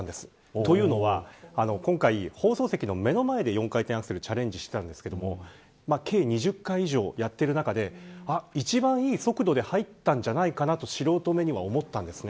というのは今回放送席の目の前で４回転アクセルチャレンジしたんですけど計２０回以上やっている中で一番いい速度で入ったんじゃないかなと素人目には思ったんです。